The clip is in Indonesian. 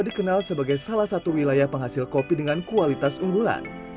dikenal sebagai salah satu wilayah penghasil kopi dengan kualitas unggulan